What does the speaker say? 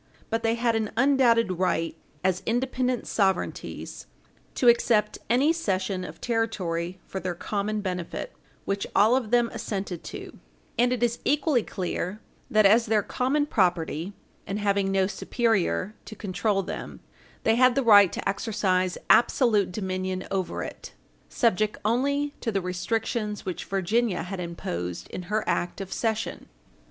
But they had an undoubted right, as independent sovereignties, to accept any cession of territory for their common benefit, which all of them assented to; and it is equally clear that as their common property, and having no superior to control them, they had the right to exercise absolute dominion over it, subject only to the restrictions which Virginia had imposed in her act of cession.